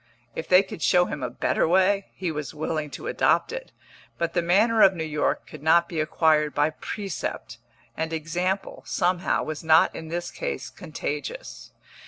If they could show him a better way, he was willing to adopt it; but the manner of New York could not be acquired by precept, and example, somehow, was not in this case contagious.